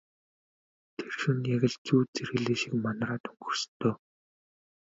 Тэр шөнө яг л зүүд зэрэглээ шиг манараад өнгөрсөн дөө.